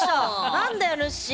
何だよぬっしー！